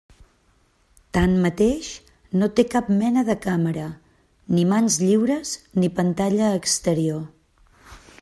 Tanmateix, no té cap mena de càmera, ni mans lliures ni pantalla exterior.